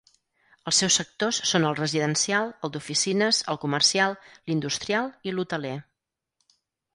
Els seus sectors són el residencial, el d'oficines, el comercial, l'industrial i l'hoteler.